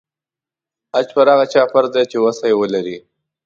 حج پر هغه چا فرض دی چې وسه یې ولري.